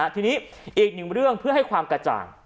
ทีนี้อีกหนึ่งเรื่องเพื่อให้ความกระจ่าง